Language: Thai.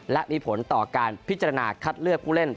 และมีผลต่อการพิจารณาคัดเลือกผู้เล่น